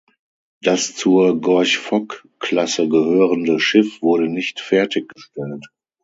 Das zur "Gorch-Fock"-Klasse gehörende Schiff wurde nicht fertiggestellt.